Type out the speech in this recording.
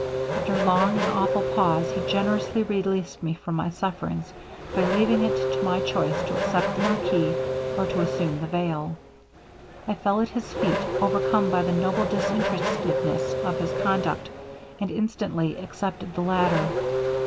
'After along and awful pause, he generously released me from my sufferings by leaving it to my choice to accept the marquis, or to assume the veil. I fell at his feet, overcome by the noble disinterestedness of his conduct, and instantly accepted the latter.